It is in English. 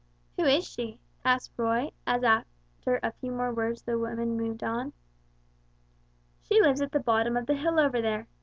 "Who is she?" asked Roy, as after a few more words the woman moved on. "She lives at the bottom of the hill over there.